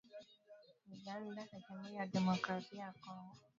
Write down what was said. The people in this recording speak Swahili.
Uganda na Jamuhuri ya Demokrasia ya Kongo zimeongeza muda wa shughuli mkakati Shujaa